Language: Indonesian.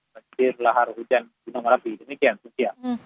berhasil lahar hujan gunung rapi demikian sintia